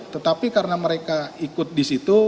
tetapi karena mereka ikut di situ